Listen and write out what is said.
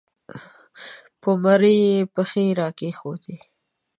پر مرۍ یې پښې را کېښودې